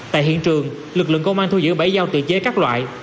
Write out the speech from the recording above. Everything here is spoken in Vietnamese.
tại hiện trường lực lượng công an thu giữ bảy dao tự chế các loại